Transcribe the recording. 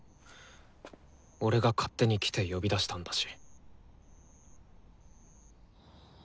俺が勝手に来て呼び出したんだし。